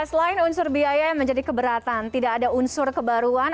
selain unsur biaya yang menjadi keberatan tidak ada unsur kebaruan